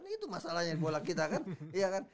itu masalahnya bola kita kan